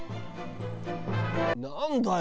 なんだよ。